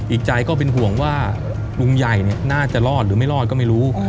อีกใจก็เป็นห่วงว่าลุงใหญ่น่าจะรอดหรือไม่รอดก็ไม่รู้